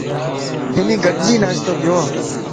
ھني گڏجي ناشتو ڪيو